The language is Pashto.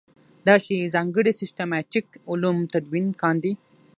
دا چې ځانګړي سیسټماټیک علوم تدوین کاندي.